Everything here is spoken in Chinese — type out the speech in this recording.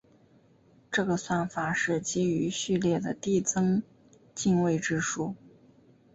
这个算法是基于序列的递增进位制数。